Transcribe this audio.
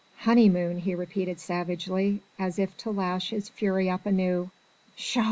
Honeymoon!" he repeated savagely, as if to lash his fury up anew, "Tsha!"